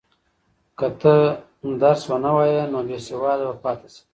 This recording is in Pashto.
که ته درس ونه وایې نو بېسواده به پاتې شې.